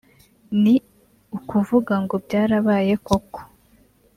ni ukuvuga ngo ‘byarabaye koko’